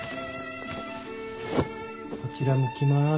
こちら向きます。